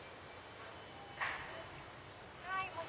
はい。